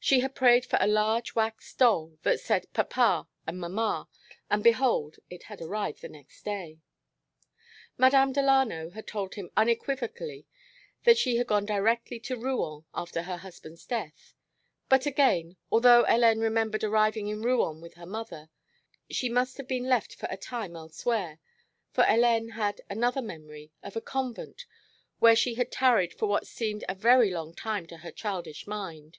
She had prayed for a large wax doll that said papa and mama, and behold, it had arrived the next day. Madame Delano had told him unequivocally that she had gone directly to Rouen after her husband's death ... but again, although Hélène remembered arriving in Rouen with her mother, she must have been left for a time elsewhere, for Hélène had another memory of a convent, where she had tarried for what seemed a very long time to her childish mind.